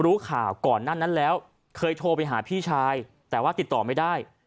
รู้ข่าวก่อนหน้านั้นแล้วเคยโทรไปหาพี่ชายแต่ว่าติดต่อไม่ได้